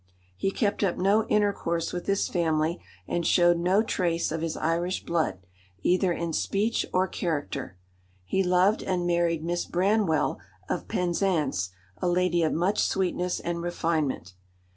He kept up no intercourse with his family, and showed no trace of his Irish blood, either in speech or character. He loved and married Miss Branwell, of Penzance, a lady of much sweetness and refinement.